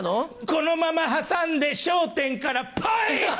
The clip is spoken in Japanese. このまま挟んで笑点からポイ。